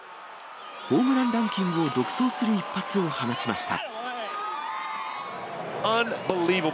ホームランランキングを独走する一発を放ちました。